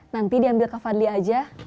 nanti diambil ke fadli aja